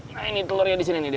nah ini telurnya disini nih